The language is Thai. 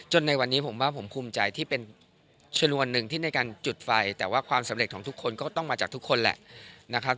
ในวันนี้ผมว่าผมภูมิใจที่เป็นชนวนหนึ่งที่ในการจุดไฟแต่ว่าความสำเร็จของทุกคนก็ต้องมาจากทุกคนแหละนะครับ